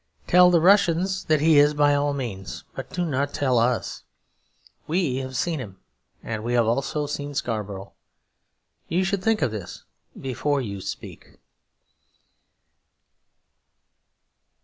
Tell the Russians that he is by all means; but do not tell us. We have seen him; we have also seen Scarborough. You should think of this before you speak.